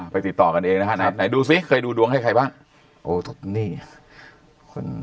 ไปติดต่อกันเองนะครับไหนดูสิเคยดูดวงให้ใครบ้าง